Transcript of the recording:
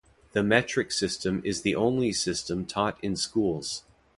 The metric system is the only system taught in schools.